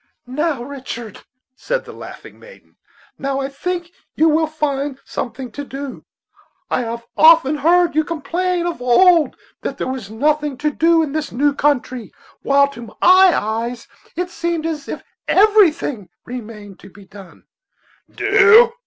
"Now, Richard," said the laughing maiden, "now I think you will find something to do. I have often heard you complain of old that there was nothing to do in this new country, while to my eyes it seemed as if everything remained to be done." "Do!"